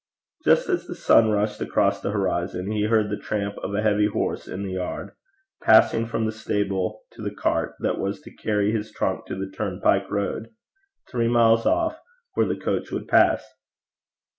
Just as the sun rushed across the horizon he heard the tramp of a heavy horse in the yard, passing from the stable to the cart that was to carry his trunk to the turnpike road, three miles off, where the coach would pass.